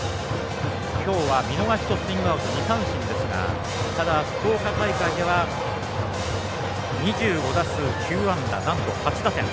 きょうは見逃しとスイングアウト２三振ですが、福岡大会では２５打数９安打なんと８打点。